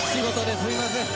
すみません。